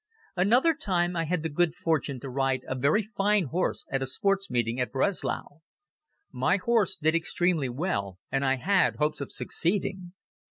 Another time I had the good fortune to ride a very fine horse at a Sports Meeting at Breslau. My horse did extremely well and I had hopes of succeeding.